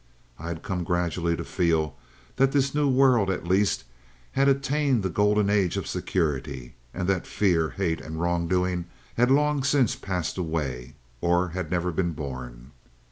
I had come gradually to feel that this new world, at least, had attained the golden age of security, and that fear, hate, and wrongdoing had long since passed away, or had never been born.